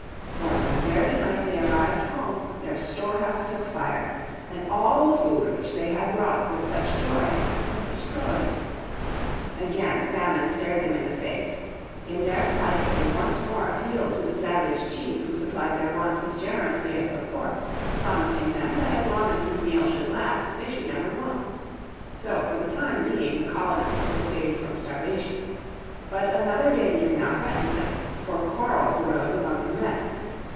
For the very night they arrived home their storehouse took fire, and all the food which they had brought with such joy was destroyed. Again famine stared them in the face. In their plight they once more appealed to the savage chief who supplied their wants as generously as before; promising them that as long as his meal should last they should never want. So for the time being the colonists were saved from starvation. But another danger now threatened them, for quarrels arose among the men.